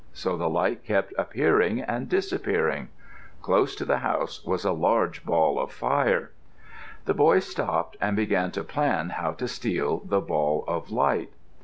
So the light kept appearing and disappearing. Close to the house was a large ball of fire. The boy stopped and began to plan how to steal the ball of light.